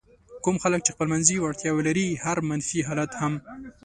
کوم خلک چې خپلمنځي وړتیاوې لري هر منفي حالت هم.